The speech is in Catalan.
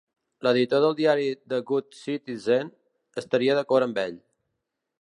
L'editor del diari "The Good Citizen" estaria d'acord amb ell.